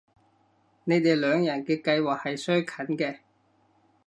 你哋兩人嘅計劃係相近嘅